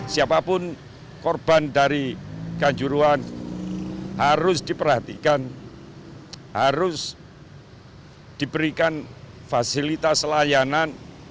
siapapun korban dari kanjuruan harus diperhatikan harus diberikan fasilitas layanan